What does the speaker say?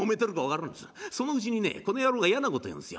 そのうちにねこの野郎がやなこと言うんですよ。